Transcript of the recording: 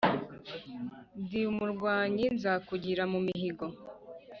Ndi umurwanyi nzakugira mu mihigo.